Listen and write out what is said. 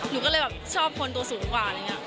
หนูก็เลยชอบคนตัวสูงกว่า